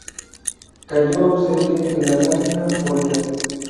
Callo ausente en la lámina foliar.